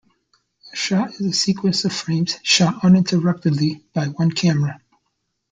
A shot is a sequence of frames shot uninterruptedly by one camera.